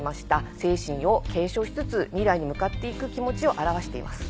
精神を継承しつつ未来に向かって行く気持ちを表しています。